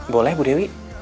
boleh bu dewi